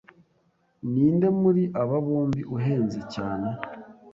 Ninde muri aba bombi uhenze cyane?